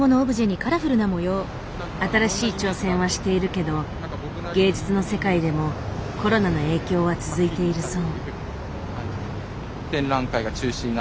新しい挑戦はしているけど芸術の世界でもコロナの影響は続いているそう。